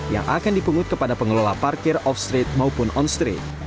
yang akan dipungut kepada pengelola parkir off street maupun on street